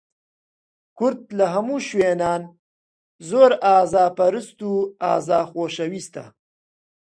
کورد لە هەموو شوێنان، زۆر ئازاپەرست و ئازا خۆشەویستە